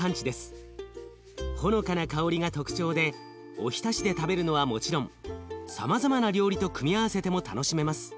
ほのかな香りが特徴でおひたしで食べるのはもちろんさまざまな料理と組み合わせても楽しめます。